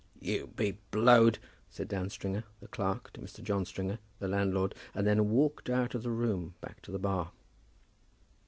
"You be blowed," said Dan Stringer, the clerk, to Mr. John Stringer, the landlord; and then walked out of the room back to the bar.